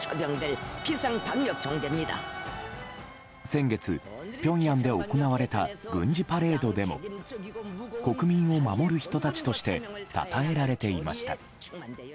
先月、ピョンヤンで行われた軍事パレードでも国民を守る人たちとしてたたえられていました。